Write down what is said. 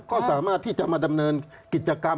ก็สามารถที่จะมาดำเนินกิจกรรม